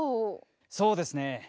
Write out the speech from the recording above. そうですね